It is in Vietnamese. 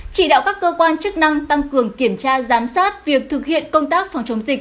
chỉ đạo các cơ quan chức năng tăng cường kiểm tra giám sát việc thực hiện công tác phòng chống dịch